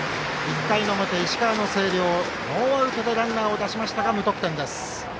１回の表、石川の星稜ノーアウトからランナーを出しましたが無得点です。